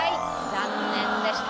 残念でした。